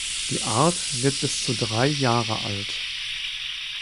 Die Art wird bis zu drei Jahre alt.